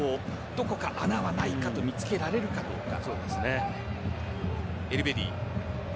どこか穴がないか見つけられるかどうか。